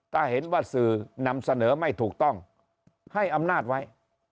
ถ้าเห็นว่าสื่อนำเสนอไม่ถูกต้องให้อำนาจไว้